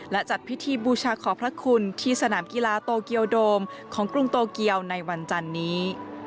และจัดพิธีบูชาขอพระคุณที่สนามกีฬาโตเกียวโดมของกรุงโตเกียวในวันจันนี้